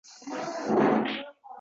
Un, moy, makaron olishi kerak...